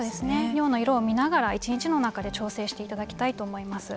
尿の色を見ながら１日の中で調整していただきたいと思います。